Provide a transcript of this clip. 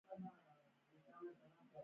قراردادونه باید شفاف وي